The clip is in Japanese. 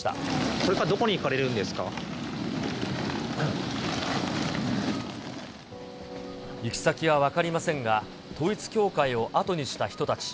これからどこに行かれるんで行き先は分かりませんが、統一教会をあとにした人たち。